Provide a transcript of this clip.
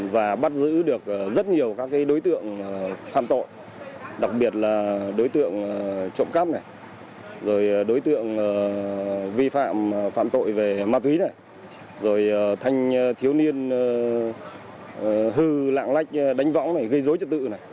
và bắt giữ được rất nhiều các đối tượng phạm tội đặc biệt là đối tượng trộm cắp đối tượng vi phạm phạm tội về ma túy thanh thiếu niên hư lãng lách đánh võng gây dối trật tự